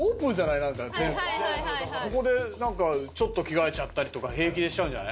ここで何かちょっと着替えちゃったりとか平気でしちゃうんじゃない？